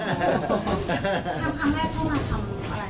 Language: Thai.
ครั้งแรกเข้ามาทำอะไร